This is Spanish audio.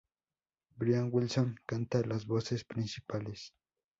Brian Wilson canta las voces principales.